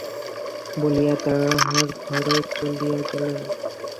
বলিয়া তাঁহার ঘরে চলিয়া গেলেন।